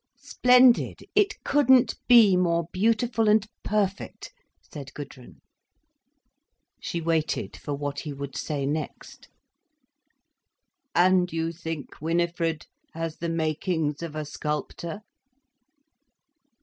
"Splendid. It couldn't be more beautiful and perfect," said Gudrun. She waited for what he would say next. "And you think Winifred has the makings of a sculptor?"